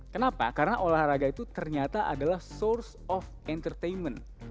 kenapa karena olahraga itu ternyata adalah source of entertainment